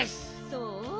そう？